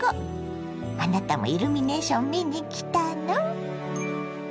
あなたもイルミネーション見に来たの？